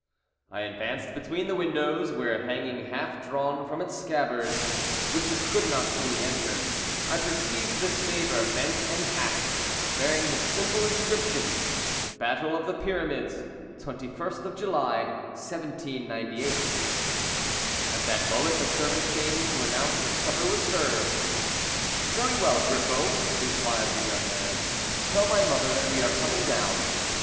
I advanced between the windows, where, hanging half drawn from its scabbard, which it could not fully enter, I perceived the sabre bent and hacked, bearing the simple inscription "Battle of the Pyramids, 21st of July, 1798." At that moment the servant came to announce that supper was served. "Very well, Griffo," replied the young man; "tell my mother that we are coming down."